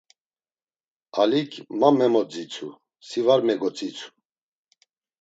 Alik ma memoditsu, si var megoditsu.